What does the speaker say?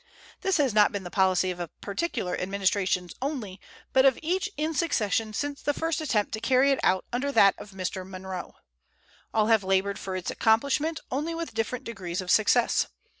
This has not been the policy of particular Administrations only, but of each in succession since the first attempt to carry it out under that of Mr. Monroe. All have labored for its accomplishment, only with different degrees of success.